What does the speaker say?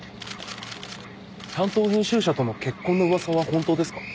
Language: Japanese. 担当編集者との結婚の噂は本当ですか？